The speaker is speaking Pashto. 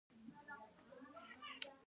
ډيپلومات د وطن ریښتینی خدمتګار دی.